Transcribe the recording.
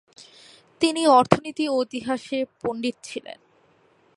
তিনি অর্থনীতি ও ইতিহাসে পণ্ডিত ছিলেন।